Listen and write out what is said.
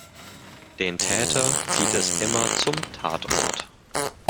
Den Täter zieht es immer zum Tatort.